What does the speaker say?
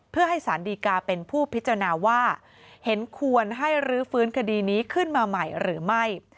เพื่อให้สารดีกาเป็นผู้พิจารณาว่าเห็นควรให้รื้อฟื้นคดีนี้ขึ้นมาใหม่หรือไม่